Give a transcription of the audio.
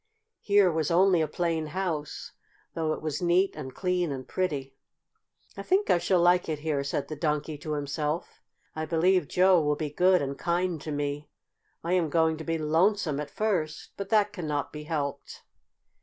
Here was only a plain house, though it was neat and clean and pretty. "I think I shall like it here," said the Donkey to himself. "I believe Joe will be good and kind to me. I am going to be lonesome at first, but that cannot be helped."